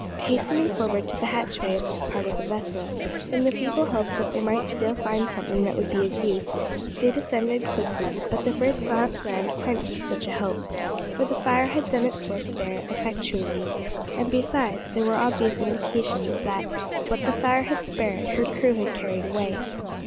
Hastening forward to the hatchway of this part of the vessel, in the feeble hope that they might still find something that would be of use, they descended quickly, but the first glance round quenched such a hope, for the fire had done its work there effectually, and, besides, there were obvious indications that, what the fire had spared, her crew had carried away.